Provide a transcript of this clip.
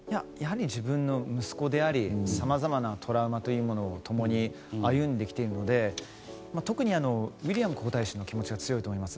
自分の息子でありさまざまなトラウマを共に歩んできているので特に、ウィリアム皇太子の気持ちが強いと思います